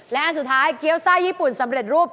และอันสุดท้ายเกี้ยวไส้ญี่ปุ่นสำเร็จรูป